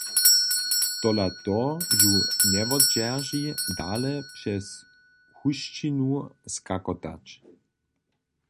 Tola to ju njewotdźerži dale přez husćinu skakotać.